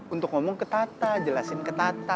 untuk ngomong ke tata jelasin ke tata